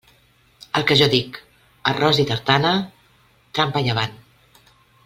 El que jo dic: «arròs i tartana»..., trampa i avant.